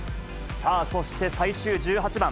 そして最終１８番。